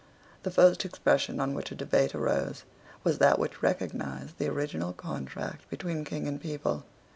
The first expression on which a debate arose was that which recognised the original contract between King and people.